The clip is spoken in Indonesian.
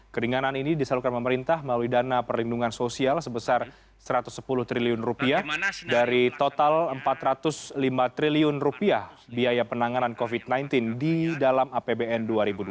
keringanan ini disalurkan pemerintah melalui dana perlindungan sosial sebesar rp satu ratus sepuluh triliun dari total rp empat ratus lima triliun biaya penanganan covid sembilan belas di dalam apbn dua ribu dua puluh